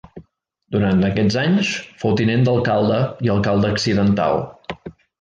Durant aquests anys fou tinent d'alcalde i alcalde accidental.